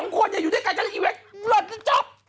๒คนอย่าอยู่ด้วยกันก็เลยอีแวะหลดแล้วจบ